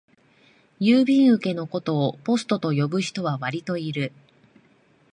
郵便受けのことをポストと呼ぶ人はわりといる